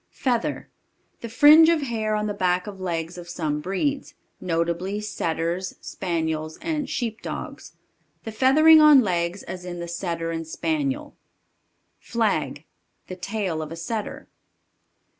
Feather. The fringe of hair on the back of legs of some breeds, notably Setters, Spaniels, and Sheep dogs. The feathering on legs, as in the Setter and Spaniel. Flag. The tail of a Setter.